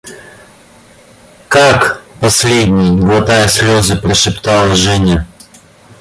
– Как – последний? – глотая слезы, прошептала Женя.